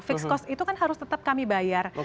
fixed cost itu kan harus tetap kami bayar